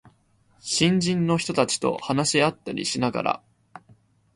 新進の人たちと話し合ったりしながら、